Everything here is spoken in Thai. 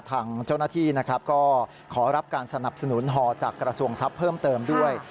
ทางเจ้าหน้าที่นะครับก็ขอรับการสนับสนุนฮอจากกระทรวงทรัพย์เพิ่มเติมด้วย